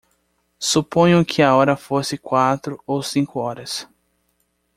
Suponho que a hora fosse quatro ou cinco horas.